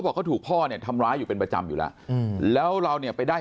บอกเขาถูกพ่อเนี่ยทำร้ายอยู่เป็นประจำอยู่แล้วแล้วเราเนี่ยไปได้